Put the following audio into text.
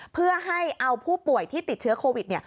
เพื่อให้เอาผู้ป่วยที่ติดเชื้อโควิด